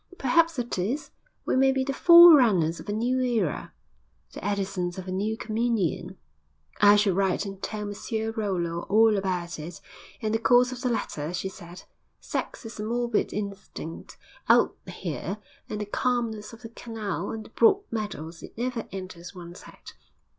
'Perhaps it is. We may be the fore runners of a new era.' 'The Edisons of a new communion!' 'I shall write and tell Monsieur Rollo all about it.' In the course of the letter, she said, '_Sex is a morbid instinct. Out here, in the calmness of the canal and the broad meadows, it never enters one's head.